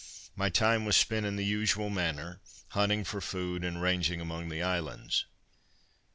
My time was spent in the usual manner, hunting for food, and ranging among the islands.